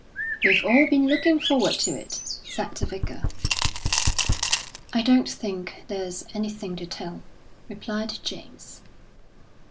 "We've all been looking forward to it," said the Vicar. "I don't think there's anything to tell," replied James.